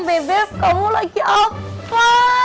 bebep kamu lagi apa